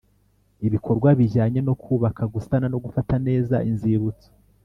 Ibikorwa bijyanye no kubaka gusana no gufata neza inzibutso